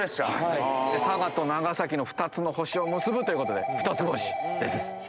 佐賀と長崎の２つの星を結ぶということでふたつ星です。